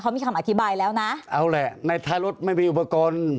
เขามีคำอธิบายแล้วนะเอาแหละในท้ายรถไม่มีอุปกรณ์